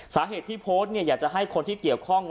สาเหตุที่โพสต์อยากจะให้คนที่เกี่ยวข้อง